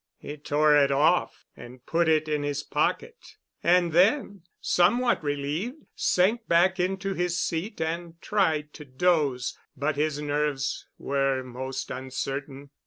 He tore it off and put it in his pocket, and then, somewhat relieved, sank back into his seat and tried to doze. But his nerves were most uncertain.